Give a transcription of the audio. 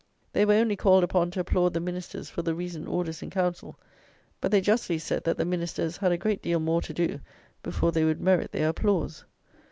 They were only called upon to applaud the Ministers for the recent Orders in Council; but they justly said that the Ministers had a great deal more to do, before they would merit their applause.